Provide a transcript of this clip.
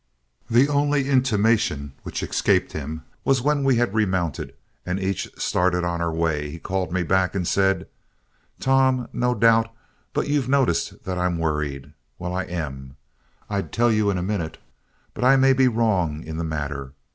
The only intimation which escaped him was when we had remounted and each started our way, he called me back and said, "Tom, no doubt but you've noticed that I'm worried. Well, I am. I'd tell you in a minute, but I may be wrong in the matter.